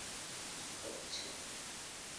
তুমি কী করছ?